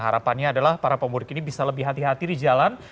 harapannya adalah para pemudik ini bisa lebih hati hati di jalan